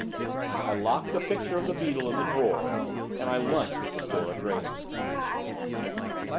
I locked the picture of the beetle in the drawer, and I lunched with Dora Grayling.